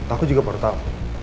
aku juga baru tau